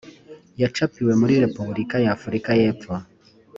yacapiwe muri repubulika ya afurika y epfo